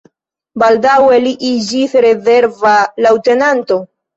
Baldaŭe li iĝis rezerva leŭtenanto.